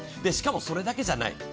しかも、それだけじゃない。